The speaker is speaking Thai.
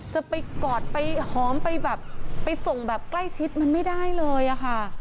จะไปกอดไปหอมไปแบบไปส่งแบบใกล้ชิดมันไม่ได้เลยอะค่ะ